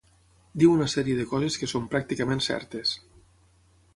Diu una sèrie de coses que són pràcticament certes.